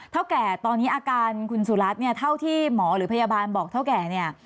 เท่าแก่ตอนนี้อาการคุณสุรัตน์เนี่ยเท่าที่หมอหรือพยาบาลบอกเท่าแก่เนี่ย